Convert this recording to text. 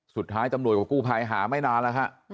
สุดท้ายตำรวจกับกู้ภัยหาไม่นานแล้วฮะ